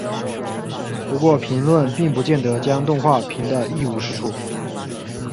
不过评论并不见得将动画评得一无是处。